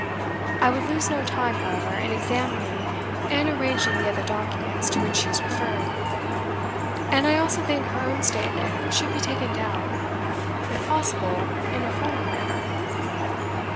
I would lose no time, however, in examining and arranging the other documents to which she has referred; and I also think her own statement should be taken down, if possible in a formal manner.